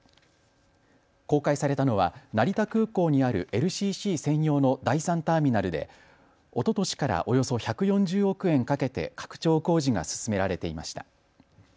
公開されたのは成田空港にあるＬＣＣ専用の第３ターミナルでおととしからおよそ１４０億円かけて拡張工事が進められていました。